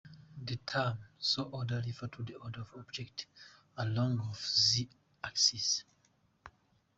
The term "Z-order" refers to the order of objects along the Z-axis.